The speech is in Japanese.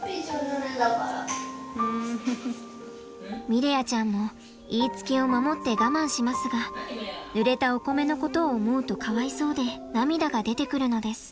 ミレアちゃんも言いつけを守って我慢しますがぬれたおこめのことを思うとかわいそうで涙が出てくるのです。